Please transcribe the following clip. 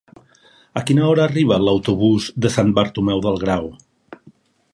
A quina hora arriba l'autobús de Sant Bartomeu del Grau?